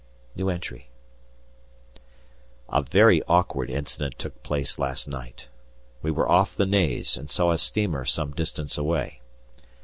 A very awkward incident took place last night. We were off the Naze and saw a steamer some distance away.